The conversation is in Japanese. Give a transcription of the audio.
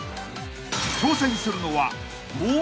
［挑戦するのは］